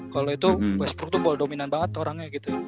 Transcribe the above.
kalau itu westbrook tuh ball dominant banget orangnya gitu